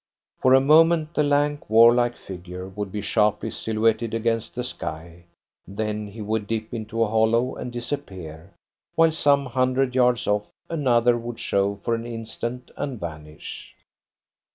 For a moment the lank, warlike figure would be sharply silhouetted against the sky. Then he would dip into a hollow and disappear, while some hundred yards off another would show for an instant and vanish.